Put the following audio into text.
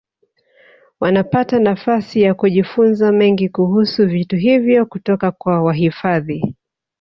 Wanapata nafasi ya kujifunza mengi kuhusu vitu hivyo kutoka kwa wahifadhi